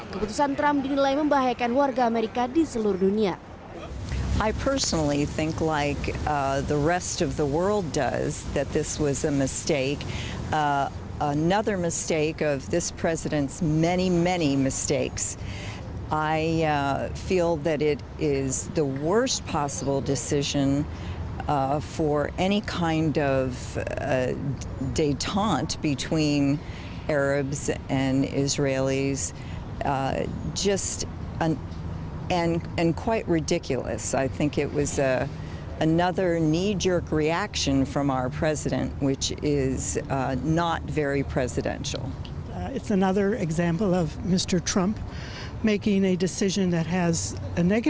keputusan trump dinilai membahayakan warga amerika di seluruh dunia